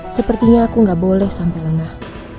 sepertinya aku nggak boleh sampai lengah